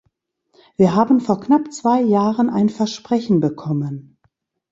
Wir haben vor knapp zwei Jahren ein Versprechen bekommen.